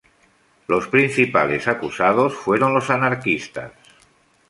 Los principales acusados fueron los anarquistas.